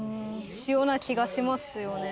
塩な気がしますよね。